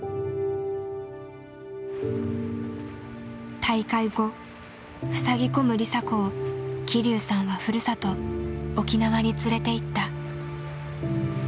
大会後ふさぎ込む梨紗子を希龍さんはふるさと沖縄に連れていった。